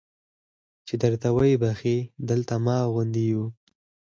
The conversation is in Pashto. چې درته ویې بخښي دلته ما غوندې یو.